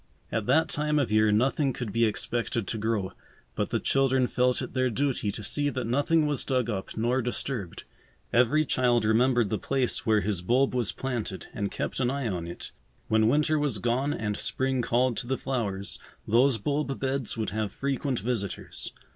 At that time of year nothing could be expected to grow, but the children felt it their duty to see that nothing was dug up nor disturbed. Every child remembered the place where his bulb was planted and kept an eye on it. When winter was gone and spring called to the flowers, those bulb beds would have frequent visitors.